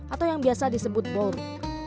atau yang biasa disebut boat